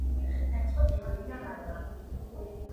დაიწყო ტირილი და ვაება.